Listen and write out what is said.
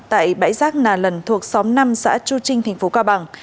tại bãi giác nà lần thuộc xóm năm xã chu trinh tp cao bằng